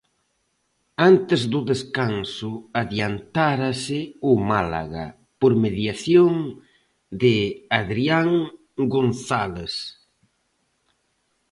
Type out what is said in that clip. Antes do descanso adiantárase o Málaga por mediación de Adrián González.